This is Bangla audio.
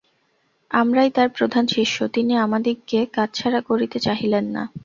আমরাই তাঁর প্রদান শিষ্য, তিনি আমাদিগকে কাছছাড়া করিতে চাহিলেন না।